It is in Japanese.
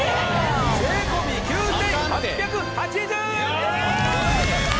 税込９８８０円でーす！